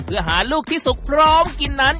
เพื่อหาลูกที่สุกพร้อมกินนั้น